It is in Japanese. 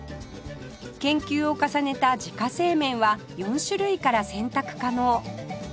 研究を重ねた自家製麺は４種類から選択可能